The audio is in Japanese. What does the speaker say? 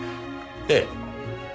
ええ。